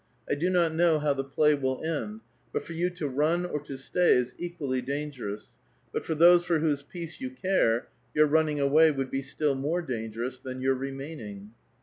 I do not know bow tbe play will end, but for you to run or to stay is equally danger ous ; but for tbose for wbose peace you care, your running away would be still more dangerous tlian your remaining."